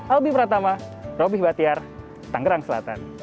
albi pratama robby batiar tangerang selatan